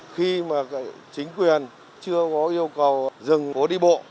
khi mà chính quyền chưa có yêu cầu dừng phố đi bộ